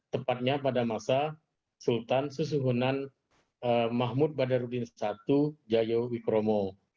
tepatnya pada masa sultan susuhunan mahmud badarudin i jayo wikromo